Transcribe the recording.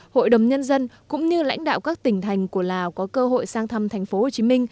hội đồng nhân dân cũng như lãnh đạo các tỉnh thành của lào có cơ hội sang thăm tp hcm